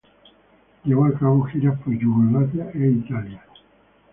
Llevó a cabo giras por Yugoslavia e Italia.